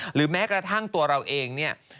หรือแม้กระทั่งตัวเราเอง